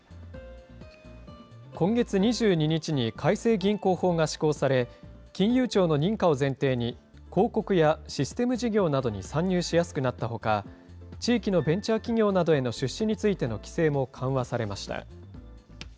今月２２日に改正銀行法が施行され、金融庁の認可を前提に、広告やシステム事業などに参入しやすくなったほか、地域のベンチャー企業などへの出資についての規制も緩和されました。